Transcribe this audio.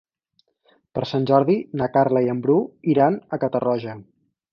Per Sant Jordi na Carla i en Bru iran a Catarroja.